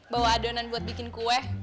bawa adonan buat bikin kue